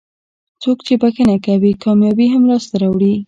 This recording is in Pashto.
څوک چې بښنه کوي کامیابي هم لاسته راوړي.